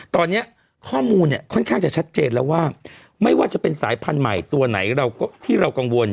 ตอนนี้ข้อมูลเนี่ยค่อนข้างจะชัดเจนแล้วว่าไม่ว่าจะเป็นสายพันธุ์ใหม่ตัวไหนที่เรากังวล